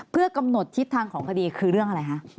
เพื่อกำหนดทิศทางของคดีคือเรื่องอะไรคะ